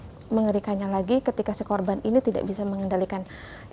dan yang lebih mengerikannya lagi ketika si korban ini tidak bisa mengendalikan diri